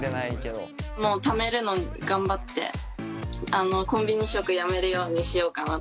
もうためるの頑張ってコンビニ食やめるようにしようかなって。